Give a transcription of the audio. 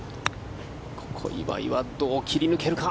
ここ、岩井はどう切り抜けるか。